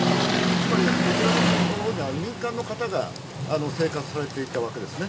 つまり、こちらのほうでは民間の方が生活されていたわけですね。